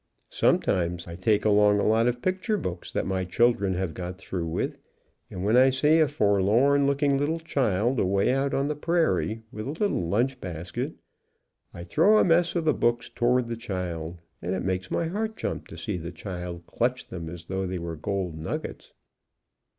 Sometimes I take along a lot of picture books that my children have got through with, and when I see a forlorn looking little child, away out on the prairie, with a little lunch basket, I throw a mess of the books towards the child, and it makes my heart jump to see the child clutch them as though they were gold nuggets.